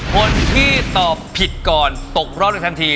คนที่ตอบผิดก่อนตกรอบในทันที